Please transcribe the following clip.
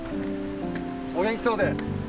お元気そうで。